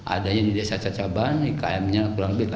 adanya di desa cacaban ikm nya kurang lebih